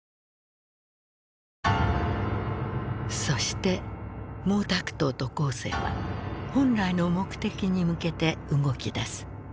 そして毛沢東と江青は本来の目的に向けて動きだす。